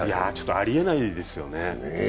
ありえないですよね。